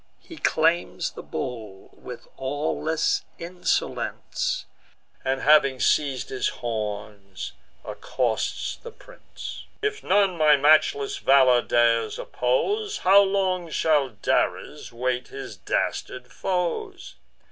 He claims the bull with awless insolence, And having seiz'd his horns, accosts the prince: "If none my matchless valour dares oppose, How long shall Dares wait his dastard foes?